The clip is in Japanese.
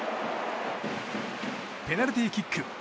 ペナルティーキック。